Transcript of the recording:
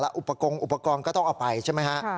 อุปกรณ์อุปกรณ์ก็ต้องเอาไปใช่ไหมฮะ